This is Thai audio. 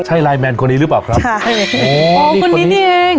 ใช่ไลน์แมนคนนี้หรือเปล่าครับใช่อ๋อคนนี้นี่เอง